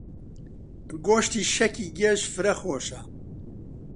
گۆشتی شەکی گێژ فرە خۆشە.